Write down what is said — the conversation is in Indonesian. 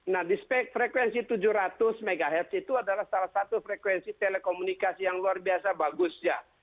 nah di frekuensi tujuh ratus mhz itu adalah salah satu frekuensi telekomunikasi yang luar biasa bagus ya